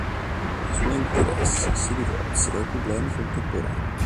I suoi interessi si rivolsero ai problemi contemporanei.